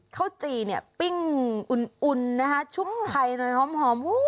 ข้าวจี่เนี้ยปิ้งอุ่นชุ่มไทยหอม